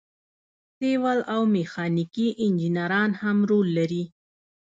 سیول او میخانیکي انجینران هم رول لري.